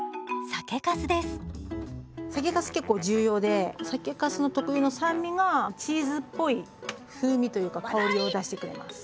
酒かす結構重要で酒かすの特有の酸味がチーズっぽい風味というか香りを出してくれます。